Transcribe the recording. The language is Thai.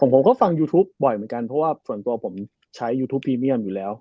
ผมก็ฟังยูทูปบ่อยเหมือนกันเพราะว่าส่วนตัวผมใช้ยูทูปพรีเมียมอยู่แล้ว